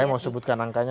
saya mau sebutkan angkanya